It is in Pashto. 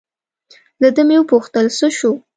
له ده مې و پوښتل: څه شو؟